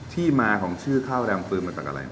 ที่มาของชื่อข้าวแดงฟืนมาจากอะไร